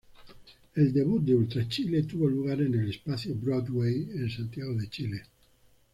El debut de Ultra Chile tuvo lugar en el Espacio Broadway en Santiago, Chile.